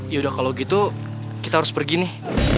yaudah kalo gitu kita harus pergi nih